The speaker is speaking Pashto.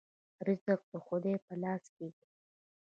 رزق د خدای په لاس کې دی